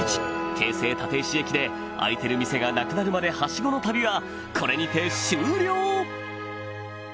京成立石駅で開いてる店がなくなるまでハシゴの旅はこれにて終了